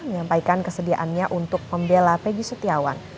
menyampaikan kesediaannya untuk membela peggy setiawan